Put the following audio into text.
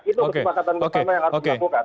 itu kesepakatan bersama yang harus dilakukan